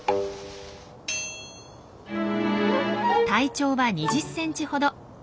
体長は２０ｃｍほど。